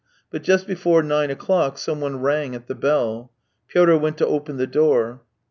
But just before nine o'clock someone rang at the bell. Pyotr went to open the door.